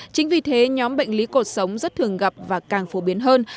chính vì thế nhóm bệnh lý cột sống rất thường gặp và càng phổ biến hơn